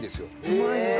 うまいんだ。